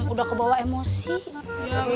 udah kebawa emosi